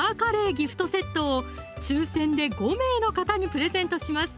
ギフトセットを抽選で５名の方にプレゼントします